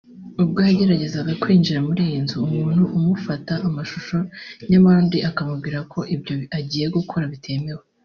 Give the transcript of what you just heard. ubwo yageragezaga kwinjiza muri iyi nzu umuntu umufata amashusho nyamara undi akamubwira ko ibyo agiye gukora bitemewe